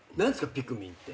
『ピクミン』って。